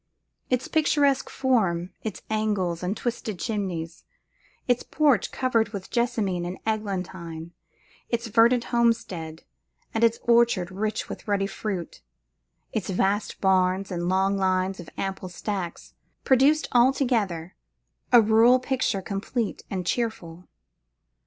Its picturesque form, its angles and twisted chimneys, its porch covered with jessamine and eglantine, its verdant homestead, and its orchard rich with ruddy fruit, its vast barns and long lines of ample stacks, produced altogether a rural picture complete and cheerful.